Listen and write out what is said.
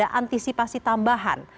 ada antisipasi tambahan